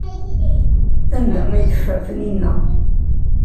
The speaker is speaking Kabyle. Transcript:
Anda ay teffer Taninna?